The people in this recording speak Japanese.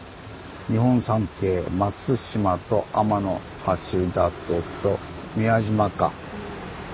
日本三景松島と天橋立と宮島か。